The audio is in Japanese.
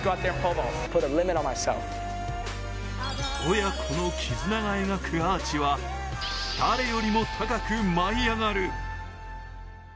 親子の絆が描くアーチは誰よりも高く舞い上がる。